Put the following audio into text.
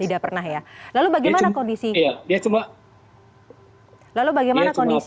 tidak pernah ya lalu bagaimana kondisi